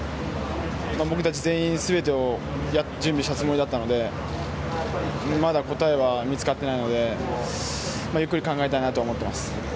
僕たち全員全てを準備したつもりだったのでまだ答えは見つかっていないのでゆっくり考えたいなと思っています。